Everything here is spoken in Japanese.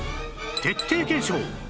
徹底検証！